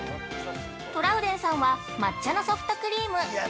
トラウデンさんは抹茶のソフトクリーム。